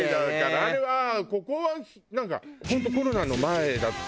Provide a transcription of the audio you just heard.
あれはここはなんか本当コロナの前だったから。